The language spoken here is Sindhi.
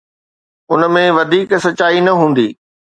ان ۾ وڌيڪ سچائي نه هوندي.